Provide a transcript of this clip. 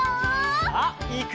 さあいくよ！